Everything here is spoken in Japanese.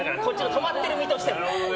泊まってる身としては。